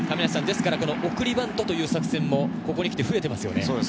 送りバントという作戦もここにきて増えていますよね。